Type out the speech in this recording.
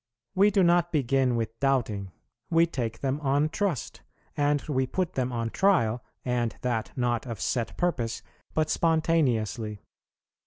We do not begin with doubting; we take them on trust, and we put them on trial, and that, not of set purpose, but spontaneously.